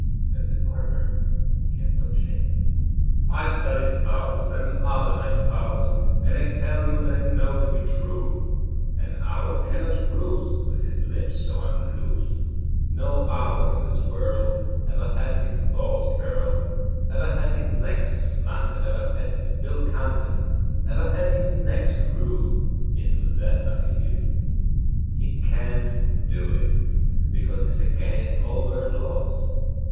And the barber kept on shaving. "I've studied owls, And other night fowls, And I tell you What I know to be true: An owl cannot roost With his limbs so unloosed; No owl in this world Ever had his claws curled, Ever had his legs slanted, Ever had his bill canted, Ever had his neck screwed Into that attitude. He can't do it, because 'T is against all bird laws.